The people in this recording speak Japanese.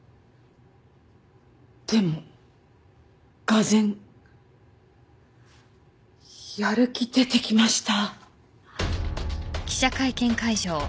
でもがぜんやる気出てきました。